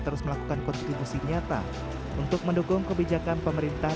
terus melakukan kontribusi nyata untuk mendukung kebijakan pemerintah